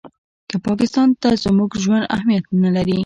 که پاکستان ته زموږ ژوند اهمیت نه لري.